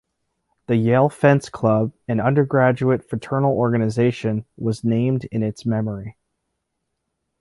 The Yale Fence Club, an undergraduate fraternal organization, was named in its memory.